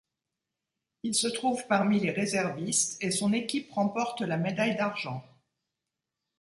Il se trouve parmi les réservistes et son équipe remporte la médaille d'argent.